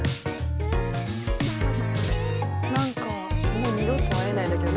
「もう二度と会えない」だけど